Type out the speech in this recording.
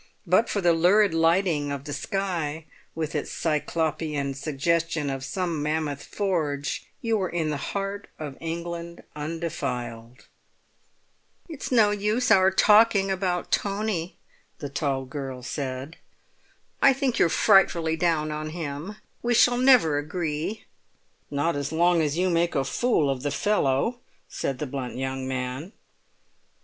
But for the lurid lighting of the sky, with its Cyclopean suggestion of some mammoth forge, you were in the heart of England undefiled. "It's no use our talking about Tony," the tall girl said. "I think you're frightfully down on him; we shall never agree." "Not as long as you make a fool of the fellow," said the blunt young man.